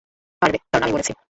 পরবে, কারণ আমি বলেছি।